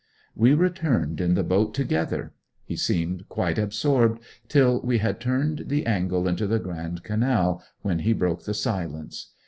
We returned in the boat together. He seemed quite absorbed till we had turned the angle into the Grand Canal, when he broke the silence.